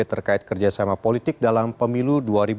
terkait kerjasama politik dalam pemilu dua ribu dua puluh